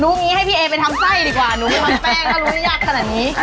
รูปนี้ให้พี่เอไปทำไส้ดีกว่ารูปนี้ทำแป้งก็รูปนี้ยากขนาดนี้ค่ะ